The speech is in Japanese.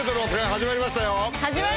始まりました！